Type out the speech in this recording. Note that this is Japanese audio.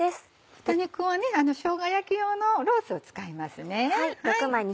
豚肉はしょうが焼き用のロースを使いますね。